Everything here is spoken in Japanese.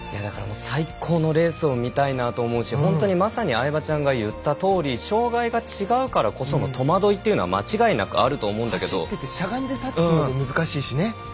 最高のレースを見たいなと思うしまさに相葉ちゃんが言ったとおり障がいが違うからこその戸惑いというのは間違いなくあると思うんですけど走ってしゃがんでタッチするの難しいしね。